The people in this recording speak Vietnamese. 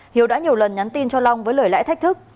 hiếu đã nhiều lần nhắn tin cho long với lời lẽ thách thức